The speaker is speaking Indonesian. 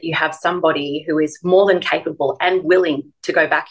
bahwa anda memiliki seseorang yang lebih dari mampu dan berani